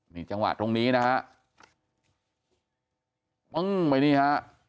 นี่จังหวะตรงนี้นะฮะปึ้งไปนี่ฮะ